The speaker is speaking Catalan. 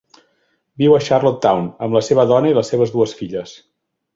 Viu a Charlottetown amb la seva dona i les seves dues filles.